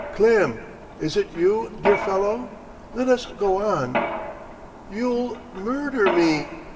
"Klim, is it you, dear fellow? Let us go on." "You'll mu ur der me!"